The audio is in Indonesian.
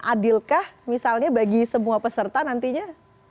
adilkah misalnya bagi semua peserta nantinya